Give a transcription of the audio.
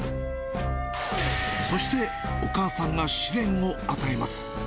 そしてお母さんが試練を与えます。